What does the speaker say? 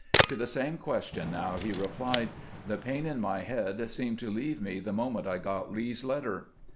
To the same question now he replied :" The pain in my head seemed to leave me the moment I got Lee's letter."